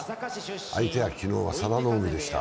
相手は昨日は佐田の海でした。